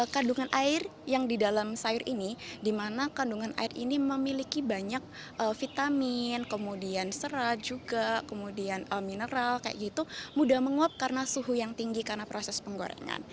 kandungan air yang di dalam sayur ini dimana kandungan air ini memiliki banyak vitamin serat mineral mudah menguap karena suhu yang tinggi karena proses penggoreng